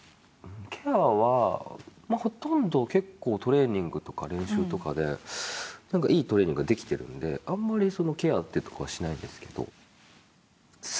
ケアはほとんど結構トレーニングとか練習とかでなんかいいトレーニングができてるのであんまりケアっていうとこはしないですけど。